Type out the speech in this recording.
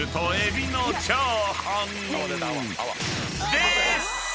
［です！］